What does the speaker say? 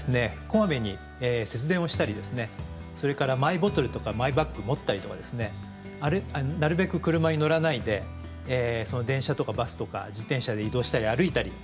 こまめに節電をしたりですねそれからマイボトルとかマイバッグ持ったりとかですねなるべく車に乗らないで電車とかバスとか自転車で移動したり歩いたり。